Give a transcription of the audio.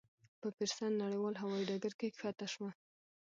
په پېرسن نړیوال هوایي ډګر کې کښته شوه.